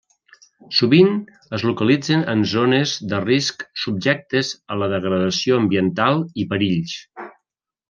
Sovint es localitzen en zones de risc subjectes a la degradació ambiental i perills.